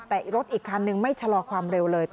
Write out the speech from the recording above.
แต่รถอีกคันนึงไม่ชะลอความเร็วเลย